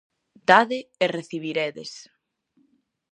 Dade e recibiredes!